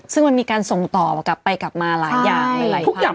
ซึ่งมันมีการส่งต่อไปกลับมาหลายอย่าง